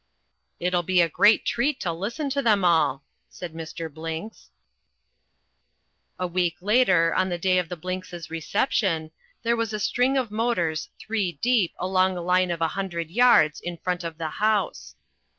"It'll be a great treat to listen to them all," said Mr. Blinks. A week later, on the day of the Blinkses' reception, there was a string of motors three deep along a line of a hundred yards in front of the house.